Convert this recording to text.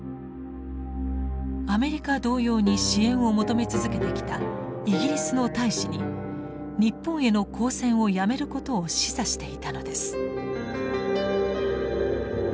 アメリカ同様に支援を求め続けてきたイギリスの大使に日本への抗戦をやめることを示唆していたのです。